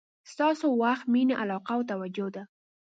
ستاسو وخت، مینه، علاقه او توجه ده.